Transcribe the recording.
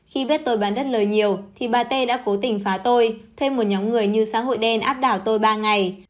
khi biết tôi bán đất lời nhiều thì bà tê đã cố tình phá tôi thêm một nhóm người như xã hội đen áp đảo tôi ba ngày